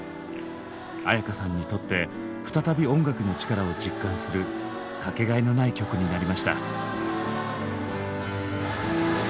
絢香さんにとって再び音楽の力を実感する掛けがえのない曲になりました。